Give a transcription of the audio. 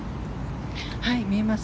見えます。